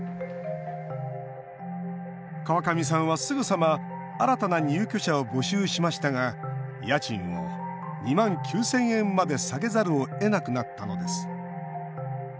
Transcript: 川上さんは、すぐさま新たな入居者を募集しましたが家賃を２万９０００円まで下げざるをえなくなったのです。